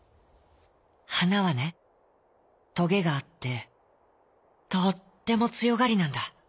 「はなはねトゲがあってとってもつよがりなんだ。